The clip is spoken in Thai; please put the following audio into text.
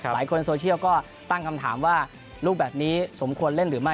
โซเชียลก็ตั้งคำถามว่าลูกแบบนี้สมควรเล่นหรือไม่